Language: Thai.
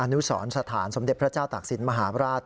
อนุสรสถานสมเด็จพระเจ้าตากสินมหาราชวงศ์